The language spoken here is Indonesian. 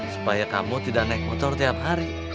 supaya kamu tidak naik motor tiap hari